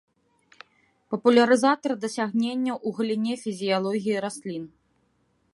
Папулярызатар дасягненняў у галіне фізіялогіі раслін.